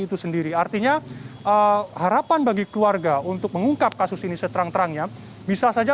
itu sendiri artinya harapan bagi keluarga untuk mengungkap kasus ini seterang terangnya bisa saja